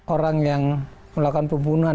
orang yang melakukan pembunuhan